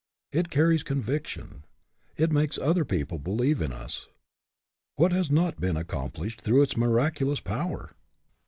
It carries con viction. It makes other people believe in us. What has not been accomplished through its miraculous power!